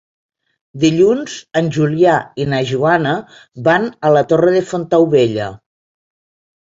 Dilluns en Julià i na Joana van a la Torre de Fontaubella.